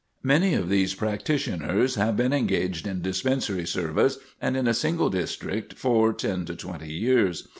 Many of these practitioners have been engaged in dispensary service, and in a single district, for ten to twenty years.